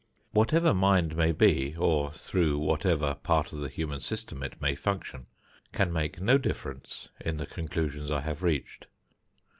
Whatever mind may be, or through whatever part of the human system it may function, can make no difference in the conclusions I have reached.